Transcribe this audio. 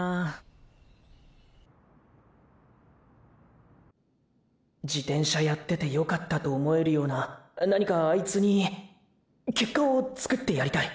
心の声自転車やっててよかったと思えるような何かあいつに「結果」をつくってやりたい。